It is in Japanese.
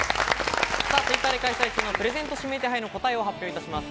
Ｔｗｉｔｔｅｒで開催中のプレゼント指名手配の答えを発表いたします。